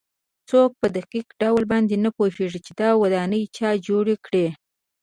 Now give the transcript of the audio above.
څوک په دقیق ډول نه پوهېږي چې دا ودانۍ چا جوړې کړې.